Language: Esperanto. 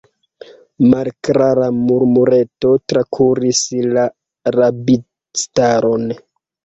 Malklara murmureto trakuris la rabistaron.